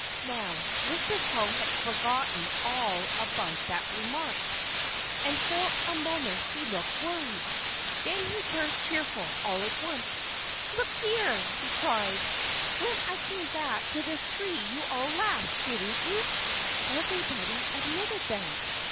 Now, Mr. Crow had forgotten all about that remark. And for a moment he looked worried. Then he turned cheerful all at once. "Look here!" he cried. "When I came back to this tree you all laughed, didn't you?" Everybody admitted that.